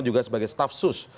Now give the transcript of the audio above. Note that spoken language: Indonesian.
juga sebagai staff sus